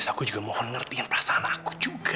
aku juga mohon mengerti perasaan aku juga